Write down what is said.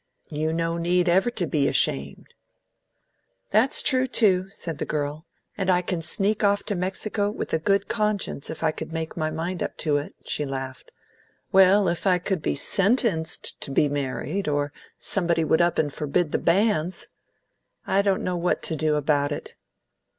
"You no need ever to be ashamed." "That's true, too," said the girl. "And I can sneak off to Mexico with a good conscience if I could make up my mind to it." She laughed. "Well, if I could be SENTENCED to be married, or somebody would up and forbid the banns! I don't know what to do about it."